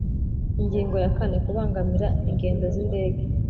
Ingingo ya kane Kubangamira ingendo z’indege